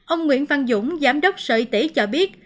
ông nguyễn văn dũng giám đốc sở y tế cho biết